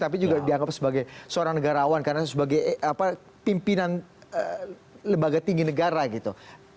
tapi juga dianggap sebagai seorang negarawan karena sebagai pimpinan lembaga tinggi negara gitu